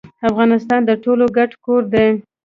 افغانستان د ټولو ګډ کور دی